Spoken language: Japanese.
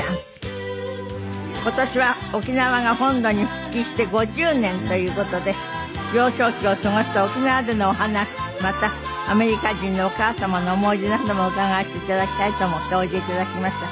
今年は沖縄が本土に復帰して５０年という事で幼少期を過ごした沖縄でのお話またアメリカ人のお母様の思い出なども伺わせて頂きたいと思っておいで頂きました。